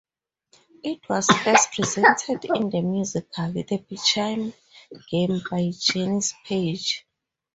It was first presented in the musical "The Pajama Game" by Janis Paige.